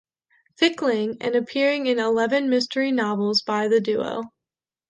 Fickling, and appearing in eleven mystery novels by the duo.